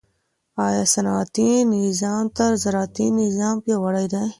آیا صنعتي نظام تر زراعتي نظام پیاوړی دی؟